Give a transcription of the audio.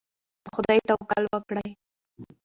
په خدای توکل وکړئ.